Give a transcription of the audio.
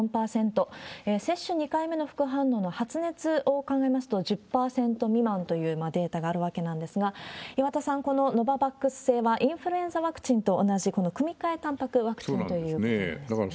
接種２回目の副反応も、発熱を考えますと、１０％未満というデータがあるわけなんですが、岩田さん、このノババックス製は、インフルエンザワクチンと同じ組み換えたんぱくワクチンというこそうなんですね。